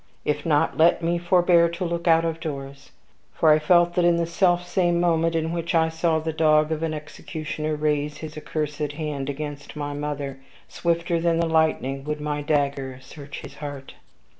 If not, let me forbear to look out of doors; for I felt that in the selfsame moment in which I saw the dog of an executioner raise his accursed hand against my mother, swifter than the lightning would my dagger search his heart.